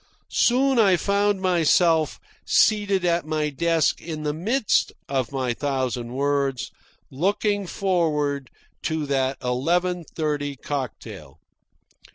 Soon I found myself, seated at my desk in the midst of my thousand words, looking forward to that eleven thirty cocktail.